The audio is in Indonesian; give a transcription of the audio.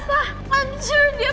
atau secara permanen